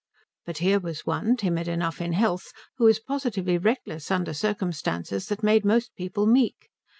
But here was one, timid enough in health, who was positively reckless under circumstances that made most people meek.